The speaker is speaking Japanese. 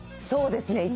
そうですね。